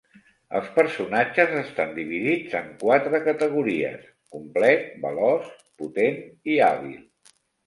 Els personatges estan dividits en quatre categories: complet, veloç, potent i hàbil.